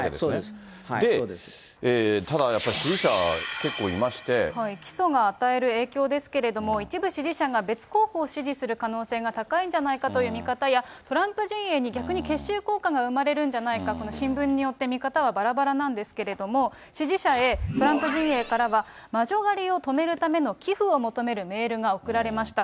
で、ただやっぱり、支持者、起訴が与える影響ですけれども、一部支持者が別候補を支持する可能性が高いんじゃないかという見方や、トランプ陣営に逆に結集効果が生まれるんじゃないか、この新聞によって見方はばらばらなんですけれども、支持者へ、トランプ陣営からは、魔女狩りを止めるための寄付を求めるメールが送られました。